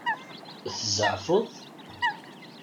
Tzeɛfeḍ?